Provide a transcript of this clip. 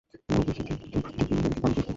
আপনার উপস্থাপিত যুক্তি অনুসারে এটা ভালো প্রস্তাব।